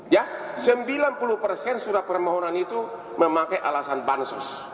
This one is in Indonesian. ya sembilan puluh persen surat permohonan itu memakai alasan pansus